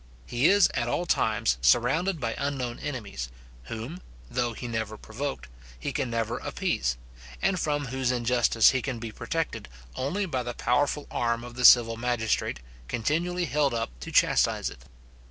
He is at all times surrounded by unknown enemies, whom, though he never provoked, he can never appease, and from whose injustice he can be protected only by the powerful arm of the civil magistrate, continually held up to chastise it.